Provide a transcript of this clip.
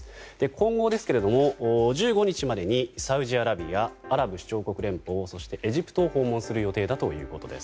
今後ですけれども１５日までにサウジアラビアアラブ首長国連邦そしてエジプトを訪問する予定だということです。